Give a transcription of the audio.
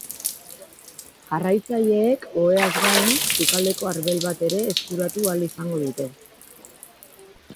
Jarraitzaileek, oheaz gain, sukaldeko arbel bat ere eskuratu ahal izango dute.